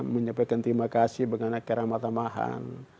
menyampaikan terima kasih dengan akira mata mahan